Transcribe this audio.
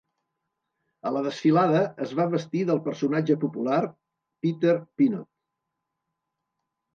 A la desfilada, es va vestir del personatge popular Peter Peanut.